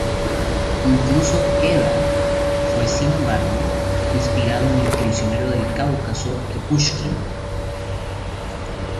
Incluso, "Eda", fue sin embargo, inspirado en el "Prisionero del Cáucaso" de Pushkin.